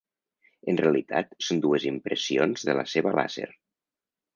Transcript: En realitat són dues impressions de la seva làser.